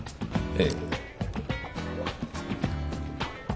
ええ。